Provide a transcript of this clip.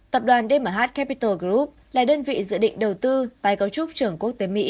tập đoàn dmh capital group là đơn vị dự định đầu tư tái cấu trúc trường quốc tế mỹ